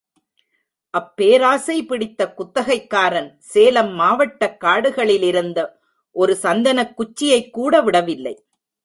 அப்பேராசை பிடித்த குத்தகைக்காரன், சேலம் மாவட்டக் காடுகளிலிருந்த ஒரு சந்தனக் குச்சியைக்கூட விடல்லை.